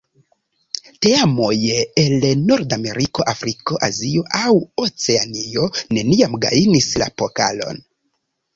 Teamoj el Nordameriko, Afriko, Azio aŭ Oceanio neniam gajnis la pokalon.